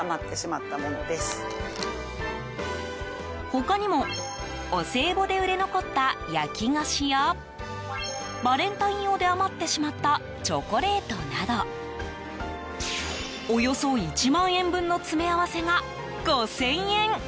他にもお歳暮で売れ残った焼き菓子やバレンタイン用で余ってしまったチョコレートなどおよそ１万円分の詰め合わせが５０００円。